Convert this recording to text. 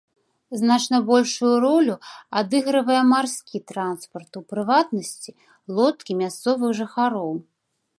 Значна большую ролю адыгрывае марскі транспарт, у прыватнасці лодкі мясцовых жыхароў.